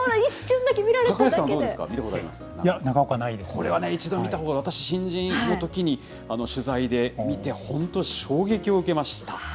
これは一度見たほうが、私、新人のときに、取材で見て、本当、衝撃を受けました。